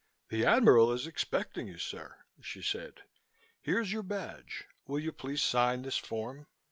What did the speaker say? "The Admiral is expecting you, sir," she said. "Here's your badge. Will you please sign this form?"